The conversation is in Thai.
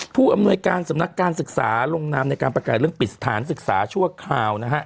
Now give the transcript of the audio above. ผู้อำนวยการสำนักการศึกษาลงนามในการประกาศเรื่องปิดสถานศึกษาชั่วคราวนะฮะ